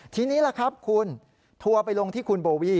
ทีนี้ล่ะครับคุณทัวร์ไปลงที่คุณโบวี่